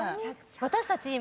私たち今。